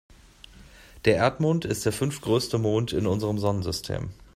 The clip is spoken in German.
Der Erdmond ist der fünftgrößte Mond in unserem Sonnensystem.